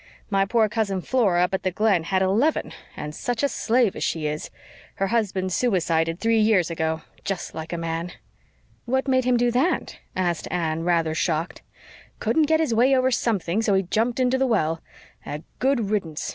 My poor cousin Flora up at the Glen had eleven, and such a slave as she is! Her husband suicided three years ago. Just like a man!" "What made him do that?" asked Anne, rather shocked. "Couldn't get his way over something, so he jumped into the well. A good riddance!